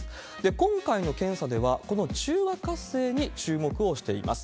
今回の検査では、この中和活性に注目をしています。